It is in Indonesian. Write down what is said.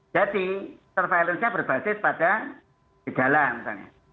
jadi surveillance nya berbasis pada di dalam misalnya